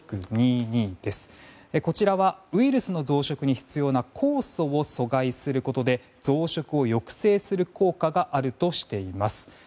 こちらはウイルスの増殖に必要な酵素を阻害することで増殖を抑制する効果があるとしています。